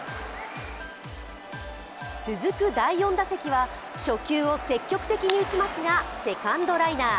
続く第４打席は、初球を積極的に打ちますが、セカンドライナー。